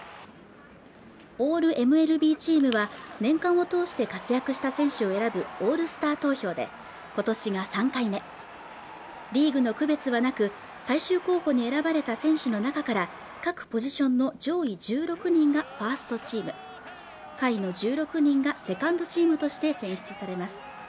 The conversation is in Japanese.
オールＭＬＢチームは年間を通して活躍した選手を選ぶオールスター投票で今年が３回目リーグの区別はなく最終候補に選ばれた選手の中から各ポジションの上位１６人がファーストチーム下位の１６人がセカンドチームとして選出されます